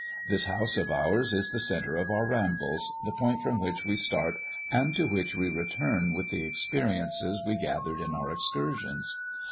This house of ours is the centre of our rambles, the point from which we start and to which we return with the experiences we gathered in our excursions.